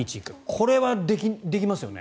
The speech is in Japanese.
これはできますよね。